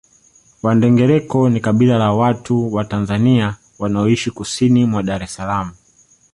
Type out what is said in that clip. Wandengereko ni kabila la watu wa Tanzania wanaoishi kusini mwa Dar es Salaam